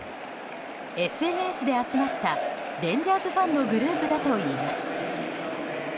ＳＮＳで集まったレンジャーズのファンのグループだといいます。